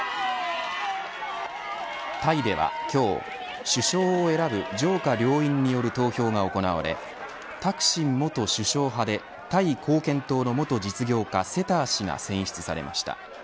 タイでは今日、首相を選ぶ上下両院による投票が行われタクシン元首相派でタイ貢献党の元実業家セター氏が選出されました。